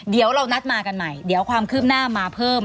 เดี๋ยวเรานัดมากันใหม่เดี๋ยวความคืบหน้ามาเพิ่ม